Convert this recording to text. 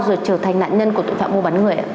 rồi trở thành nạn nhân của tội phạm mua bắn người